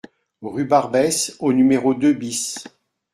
Rue Barbès au numéro deux BIS